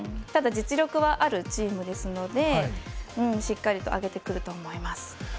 ただ、実力はあるチームですのでしっかりと上げてくると思います。